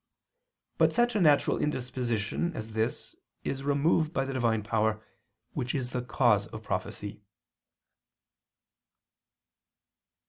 But such a natural indisposition as this is removed by the Divine power, which is the cause of prophecy.